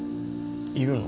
いるの？